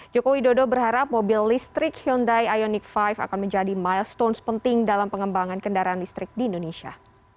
joko widodo berharap mobil listrik hyundai ioniq lima akan menjadi milestones penting dalam pengembangan kendaraan listrik di indonesia